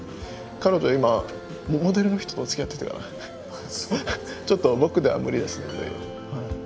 彼女今モデルの人とつきあってるからちょっと僕では無理ですね。